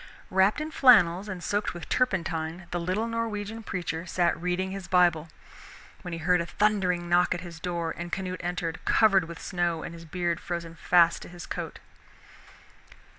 Wrapped in flannels and soaked with turpentine, the little Norwegian preacher sat reading his Bible, when he heard a thundering knock at his door, and Canute entered, covered with snow and his beard frozen fast to his coat.